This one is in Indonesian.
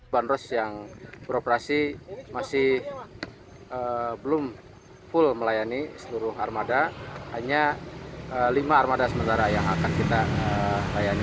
bandros yang beroperasi masih belum full melayani seluruh armada hanya lima armada sementara yang akan kita layani